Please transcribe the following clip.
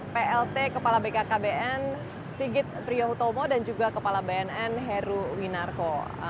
plt kepala bkkbn sigit priyo utomo dan juga kepala bnn heru winarko